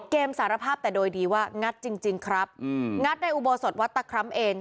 เกมสารภาพแต่โดยดีว่างัดจริงจริงครับอืมงัดในอุโบสถวัตตะครั้มเอน